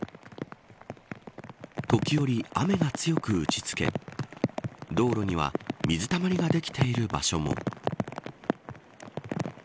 時折、雨が強く打ちつけ道路には水たまりができている場所も。